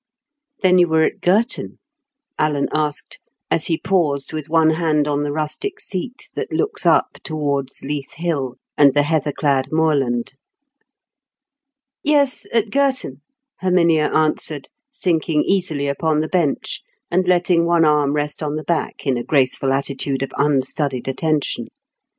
"Then you were at Girton?" Alan asked, as he paused with one hand on the rustic seat that looks up towards Leith Hill, and the heather clad moorland. "Yes, at Girton," Herminia answered, sinking easily upon the bench, and letting one arm rest on the back in a graceful attitude of unstudied attention.